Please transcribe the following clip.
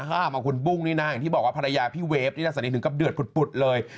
ห้ามเอาคุณบุ้งนี่นะอย่างที่บอกว่าภรรยาพี่เวฟนี่นะสันนิษถึงกับเดือดปุดเลย